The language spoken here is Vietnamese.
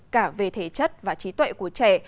cả về thế chất và trí tuệ của trẻ